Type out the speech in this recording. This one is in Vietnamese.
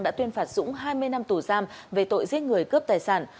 đã tuyên phạt dũng hai mươi năm tù giam về tội giết người cướp tài sản